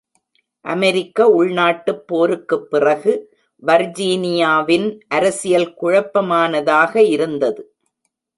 அமெரிக்க உள்நாட்டுப் போருக்குப் பிறகு, வர்ஜீனியாவின் அரசியல் குழப்பமானதாக இருந்தது.